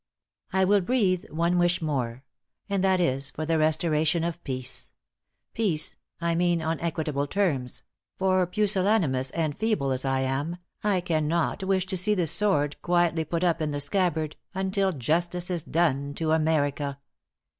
... "I will breathe one wish more; and that is for the restoration of peace peace, I mean, on equitable terms; for pusillanimous and feeble as I am, I cannot wish to see the sword quietly put up in the scabbard, until justice is done to America."